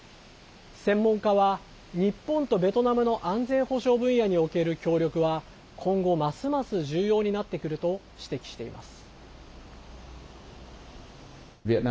専門家は日本とベトナムの安全保障分野における協力は今後ますます重要になってくると指摘しています。